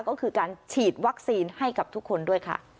ก็คือการฉีดวัคซีนให้กับทุกคนด้วยค่ะ